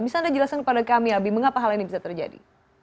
bisa anda jelaskan kepada kami abi mengapa hal ini bisa terjadi